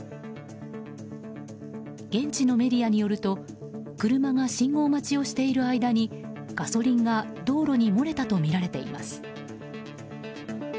現地のメディアによると車が信号待ちをしている間にガソリンが道路に漏れたとみられています。